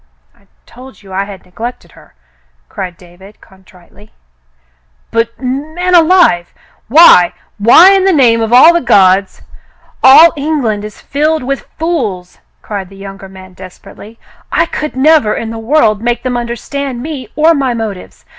"I told you I had neglected her," cried David, con tritely. " But, m — man alive ! why — why in the name of all the gods —" "All England is filled with fools," cried the younger man, desperately. "I could never in the world make them understand me or my motives.